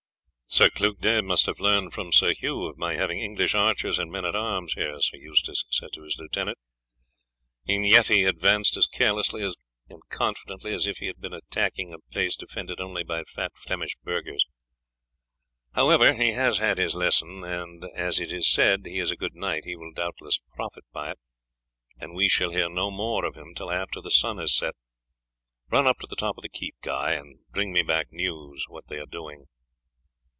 "Sir Clugnet must have learned from Sir Hugh of my having English archers and men at arms here," Sir Eustace said to his lieutenant, "and yet he advanced as carelessly and confidently as if he had been attacking a place defended only by fat Flemish burghers; however, he has had his lesson, and as it is said he is a good knight, he will doubtless profit by it, and we shall hear no more of him till after the sun has set. Run up to the top of the keep, Guy, and bring me back news what they are doing."